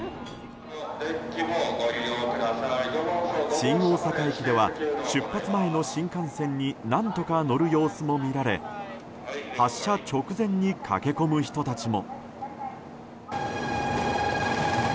新大阪駅では出発前の新幹線に何とか乗る様子も見られ発車直前に駆け込む人たちも。